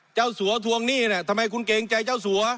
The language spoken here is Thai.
สัวทวงหนี้เนี่ยทำไมคุณเกรงใจเจ้าสัว